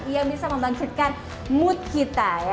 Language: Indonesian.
yang bisa membangkitkan mood kita ya